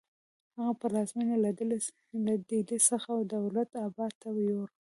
هغه پلازمینه له ډیلي څخه دولت اباد ته یوړه.